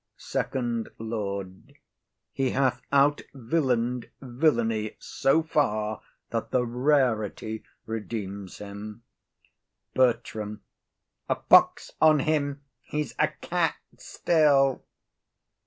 FIRST LORD. He hath out villain'd villainy so far that the rarity redeems him. BERTRAM. A pox on him! He's a cat still.